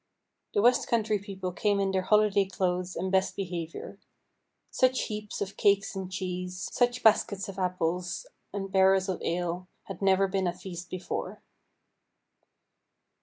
The west country people came in their holiday clothes and best behaviour. Such heaps of cakes and cheese, such baskets of apples and barrels of ale, had never been at feast before.